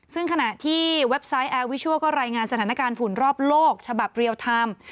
ซึ่งขณะที่เว็บไซต์แอร์วิชัวร์ก็รายงานสถานการณ์ฝุ่นรอบโลกฉบับเรียลไทม์